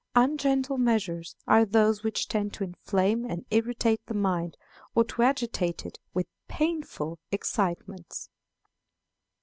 Ungentle measures are those which tend to inflame and irritate the mind, or to agitate it with painful excitements.